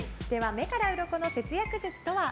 目からウロコの節約術とは？